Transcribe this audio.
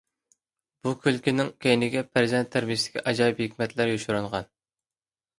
بۇ كۈلكىنىڭ كەينىگە پەرزەنت تەربىيەسىدىكى ئاجايىپ ھېكمەتلەر يوشۇرۇنغان.